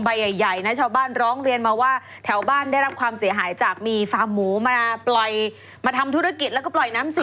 ใหญ่นะชาวบ้านร้องเรียนมาว่าแถวบ้านได้รับความเสียหายจากมีฟาร์มหมูมาปล่อยมาทำธุรกิจแล้วก็ปล่อยน้ำเสีย